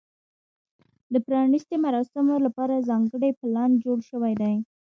د پرانیستې مراسمو لپاره ځانګړی پلان جوړ شوی دی.